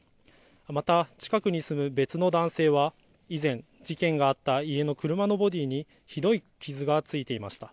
また近くに住む別の男性は以前、事件があった家の車のボディーにひどい傷が付いていました。